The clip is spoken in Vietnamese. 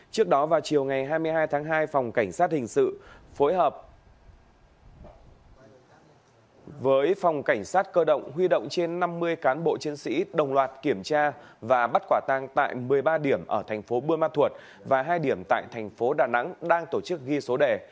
trước đó vào chiều ngày hai mươi hai tháng hai phòng cảnh sát hình sự phối hợp với phòng cảnh sát cơ động huy động trên năm mươi cán bộ chiến sĩ đồng loạt kiểm tra và bắt quả tang tại một mươi ba điểm ở thành phố buôn ma thuột và hai điểm tại thành phố đà nẵng đang tổ chức ghi số đề